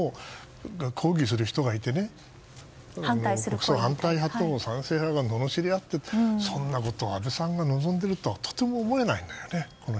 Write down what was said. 抗議する人がいて反対派と賛成派が罵り合ってそんなこと安倍さんが望んでるとはとても思えないんだよね。